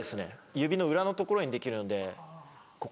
指の裏のところにできるのでここ。